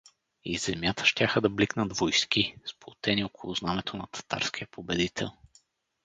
Из земята щяха да бликнат войски, сплотени около знамето на татарския победител.